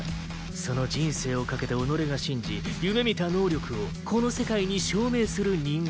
その人生を懸けて己が信じ夢見た能力をこの世界に証明する人間。